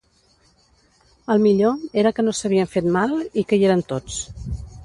El millor era que no s'havien fet mal i que hi eren tots.